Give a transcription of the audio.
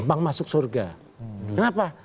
bang masuk surga kenapa